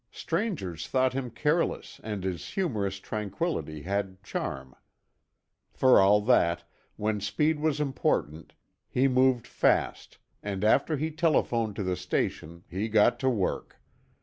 Strangers thought him careless and his humorous tranquillity had charm. For all that, when speed was important he moved fast and after he telephoned to the station he got to work.